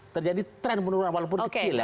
terjadi tren penurunan walaupun kecil ya